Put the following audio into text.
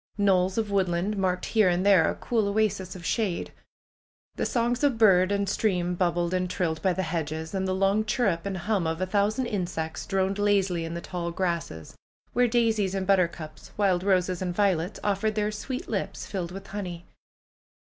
Knolls of woodland marked here and there a cool oasis of shade. The songs of bird and stream bubbled and trilled by the hedges. And the long chirrup and hum of a thousand insects droned lazily in the tall grasses, where daisies and buttercups, wild roses and violets, offered their sweet lips filled with honey.